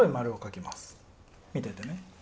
見ててね。